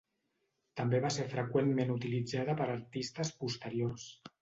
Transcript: També va ser freqüentment utilitzada per artistes posteriors.